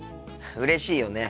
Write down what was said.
うれしいよね。